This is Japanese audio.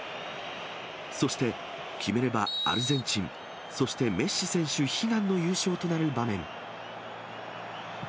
そして、決めればアルゼンチン、そしてメッシ選手悲願の優勝となる場面。